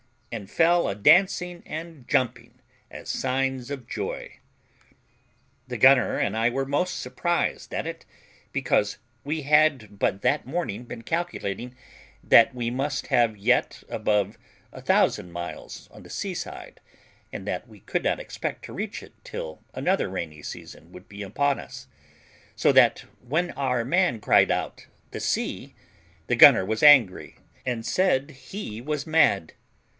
and fell a dancing and jumping, as signs of joy. The gunner and I were most surprised at it, because we had but that morning been calculating that we must have yet above 1000 miles on the sea side, and that we could not expect to reach it till another rainy season would be upon us; so that when our man cried out, "The sea," the gunner was angry, and said he was mad.